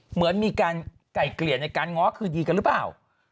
เหมือนมีการไก่เกลี่ยในการง้อคืนดีกันหรือเปล่า